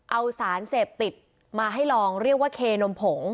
เอาสารเสพติดมาให้ลองเรียกว่าเคนมผง